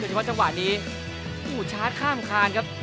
โดยเฉพาะจังหวัดนี้อู้ชาร์จข้ามคานครับ